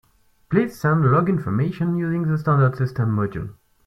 Please send log information using the standard system module.